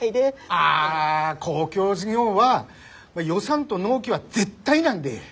ああ公共事業は予算と納期は絶対なんで。